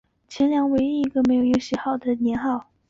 这是前凉唯一一个没有袭用晋朝年号的年号。